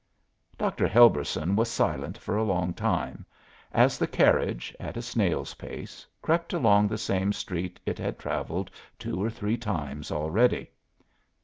Dr. Helberson was silent for a long time, as the carriage, at a snail's pace, crept along the same street it had traveled two or three times already.